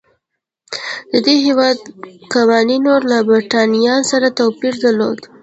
د دې هېواد قوانینو له برېټانیا سره توپیر درلود.